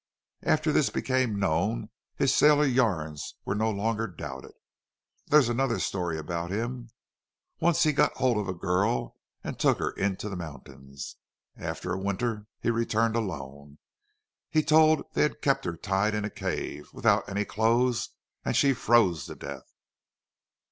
After this became known his sailor yarns were no longer doubted.... There's another story about him. Once he got hold of a girl and took her into the mountains. After a winter he returned alone. He told that he'd kept her tied in a cave, without any clothes, and she froze to death."